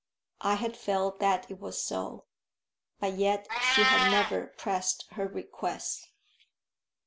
I had felt that it was so, but yet she had never pressed her request.